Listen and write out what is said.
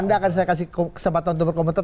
anda akan saya kasih kesempatan untuk berkomentar